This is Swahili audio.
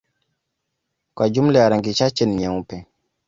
kwa jumla ya rangi chache ni nyeupe